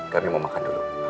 kami mau makan dulu